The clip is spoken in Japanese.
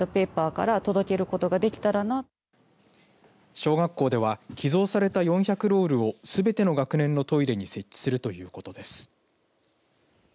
小学校では寄贈された４００ロールをすべての学年のトイレに設置するということです。